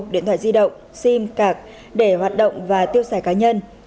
điện thoại di động sim cạc để hoạt động và tiêu xài cá nhân